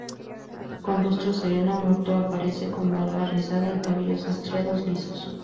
Con rostro sereno, muerto, aparece con barba rizada y cabellos estriados lisos.